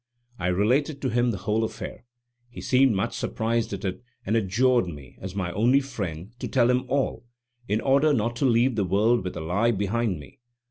I related to him the whole affair. He seemed much surprised at it, and adjured me, as my only friend, to tell him all, in order not to leave the world with a lie behind me.